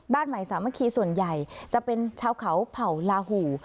บ้านใหม่สามัคคีส่วนใหญ่จะเป็นชาวเขาเผ่าลาหู